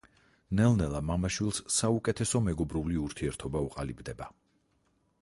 ნელ-ნელა მამა-შვილს საუკეთესო მეგობრული ურთიერთობა უყალიბდება.